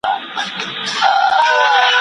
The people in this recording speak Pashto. ما یې پر ګودر ټوټې لیدلي د بنګړیو